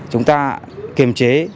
chúng ta kiềm chế